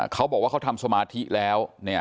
เขาบอกว่าเขาทำสมาธิแล้ว